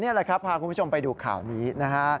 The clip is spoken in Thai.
นี่แหละครับพาคุณผู้ชมไปดูข่าวนี้นะฮะ